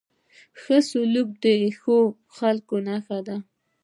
ښه سلوک د ښو خلکو نښه ده.